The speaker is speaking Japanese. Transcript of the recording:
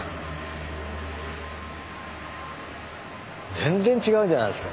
全然違うじゃないですか。